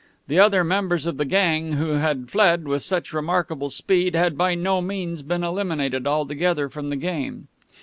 The other members of the gang, who had fled with such remarkable speed, had by no means been eliminated altogether from the game.